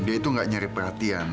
dia itu gak nyari perhatian